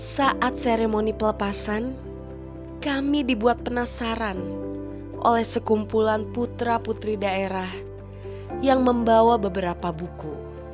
saat seremoni pelepasan kami dibuat penasaran oleh sekumpulan putra putri daerah yang membawa beberapa buku